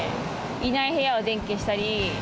いない部屋は電気消したり。